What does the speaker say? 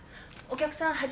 お客さん